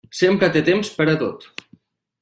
Sempre té temps per a tot.